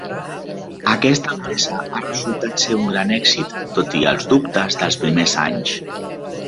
Aquesta empresa ha resultat ser un gran èxit, tot i els dubtes dels primers anys.